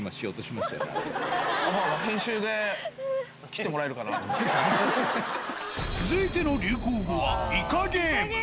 まあまあ、続いての流行語は、イカゲーム。